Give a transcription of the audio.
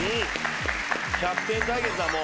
キャプテン対決だもう。